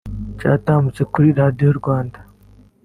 cyatambutse kuri Radio Rwanda